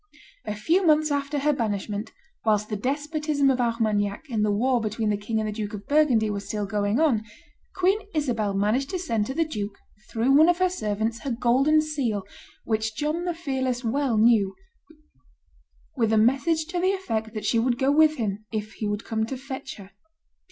A few months after her banishment, whilst the despotism of Armagnac and the war between the king and the Duke of Burgundy were still going on, Queen Isabel managed to send to the duke, through one of her servants, her golden seal, which John the Fearless well knew, with a message to the effect that she would go with him if he would come to fetch her.